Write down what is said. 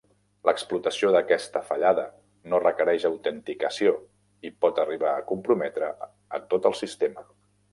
L'explotació d'aquesta fallada, no requereix autenticació, i pot arribar a comprometre a tot el sistema.